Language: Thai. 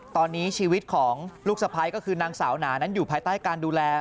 ตอนนี้ชีวิตของลูกสะพ้ายก็คือนางสาวหนานั้นอยู่ภายใต้การดูแล